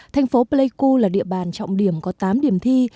thành phố pleiku là địa bàn trọng điểm có tám điểm thi